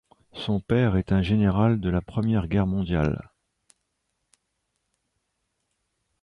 Son père est un général de la Première Guerre mondiale.